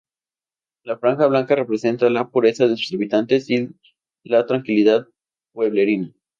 La franja blanca representa la pureza de sus habitantes y la tranquilidad pueblerina.